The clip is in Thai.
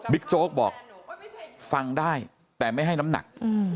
โจ๊กบอกฟังได้แต่ไม่ให้น้ำหนัก